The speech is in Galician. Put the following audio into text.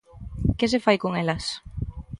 ¿Que se fai con elas?